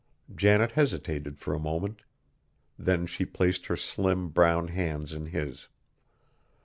Janet hesitated for a moment, then she placed her slim, brown hands in his.